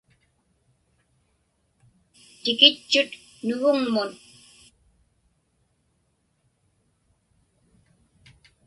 Tikitchut Nuvuŋmun.